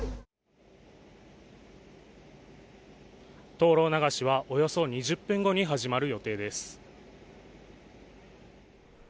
灯籠流しはおよそ２０分後に始まる予定です。